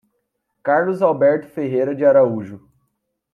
Carlos Alberto Ferreira de Araújo